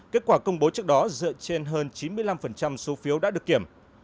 kết quả công bố trước đó dựa trên hơn chín mươi năm số phiếu đã được kiểm